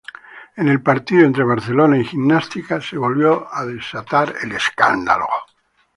En el partido entre Barcelona y Gimnástica se volvió a desatar el escándalo.